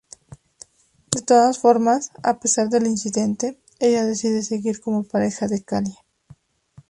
De todas formas, a pesar del incidente, ella decide seguir como pareja de Callie.